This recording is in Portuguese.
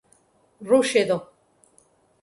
Rochedo